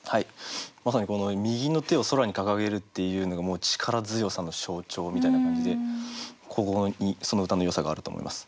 まさにこの「右の手を空に掲げる」っていうのがもう力強さの象徴みたいな感じでここにその歌のよさがあると思います。